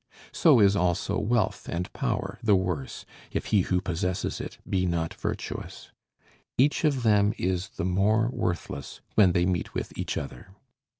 So is also wealth and power the worse, if he who possesses it be not virtuous. Each of them is the more worthless, when they meet with each other.